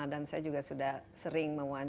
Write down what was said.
dan saya juga sudah sering mewajibkan